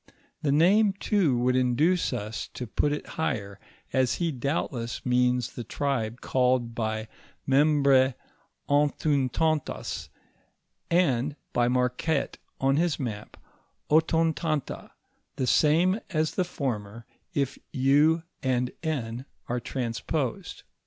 The nnoic, too, would induce us to put it higher, as he doubtless means the tribe called by Membr^ Anthowtantat, and by Marquette on his map, Otontanta, the same as the former, if u and n are transposed.